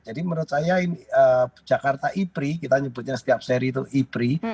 jadi menurut saya jakarta ipri kita nyebutnya setiap seri itu ipri